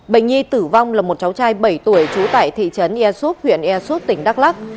bệnh nhi tử vong là một cháu trai bảy tuổi trú tại thị trấn yersouk huyện yersouk tỉnh đắk lắc